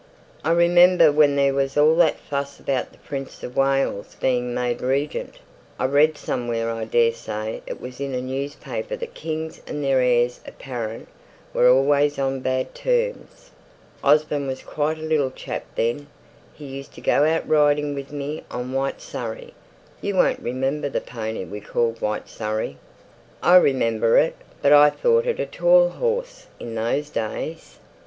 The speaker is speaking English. "I remember when there was all that fuss about the Prince of Wales being made regent, I read somewhere I daresay it was in a newspaper that kings and their heirs apparent were always on bad terms. Osborne was quite a little chap then: he used to go out riding with me on White Surrey; you won't remember the pony we called White Surrey?" "I remember it; but I thought it a tall horse in those days."